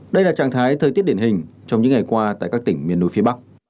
đây là trạng thái thời tiết điển hình trong những ngày qua tại các tỉnh miền núi phía bắc